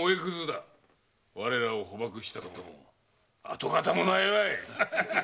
我らを捕縛したくとも跡形もないわい。